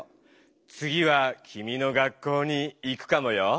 つぎはきみの学校に行くかもよ！